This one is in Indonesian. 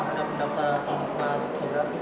kita ada pendataan fotografi